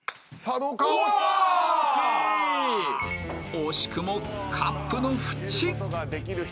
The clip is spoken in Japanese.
［惜しくもカップの縁］